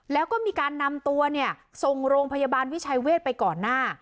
แล้วก็มีการนำตัวเนี่ยส่งโรงพยาบาลวิชัยเวทไปก่อนหน้า